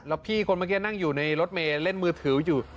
แล้วพี่คนเมื่อกี้นั่งอยู่ในรถเมย์เล่นมือถืออยู่